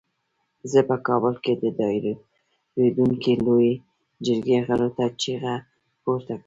زه په کابل کې د دایریدونکې لویې جرګې غړو ته چیغه پورته کوم.